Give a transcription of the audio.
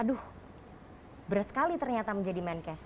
aduh berat sekali ternyata menjadi menkes